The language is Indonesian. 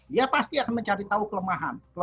dia pasti akan mencari tahu kelemahan